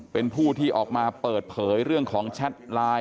เป็นผู้ที่ออกมาเปิดเผยเรื่องของแชทไลน์